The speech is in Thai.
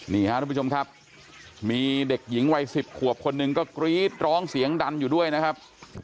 นี่ฮะทุกผู้ชมครับมีเด็กหญิงวัย๑๐ขวบคนหนึ่งก็กรี๊ดร้องเสียงดันอยู่ด้วยนะครับ